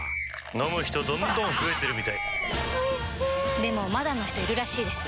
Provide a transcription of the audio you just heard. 飲む人どんどん増えてるみたいおいしでもまだの人いるらしいですよ